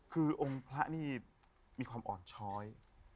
คือองค์พระนี่มีความอ่อนช้อย